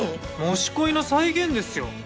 『もし恋』の再現ですよ。